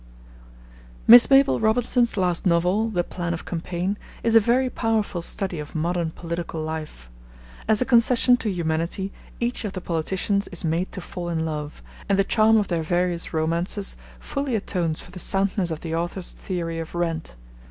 Miss Mabel Robinson's last novel, The Plan of Campaign, is a very powerful study of modern political life. As a concession to humanity, each of the politicians is made to fall in love, and the charm of their various romances fully atones for the soundness of the author's theory of rent.